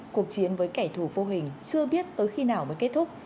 cuộc chiến với kẻ thù vô hình chưa biết tới khi nào mới kết thúc